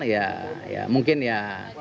ya mungkin ya